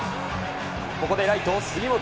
ここでライト、杉本。